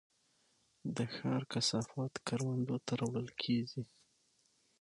د ښار کثافات کروندو ته راوړل کیږي؟